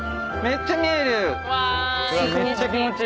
めっちゃ見える！